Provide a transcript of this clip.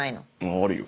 あるよ。